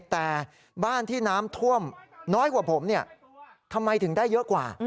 แต่บ้านที่น้ำท่วมน้อยกว่าผมเนี่ยทำไมถึงได้เยอะกว่า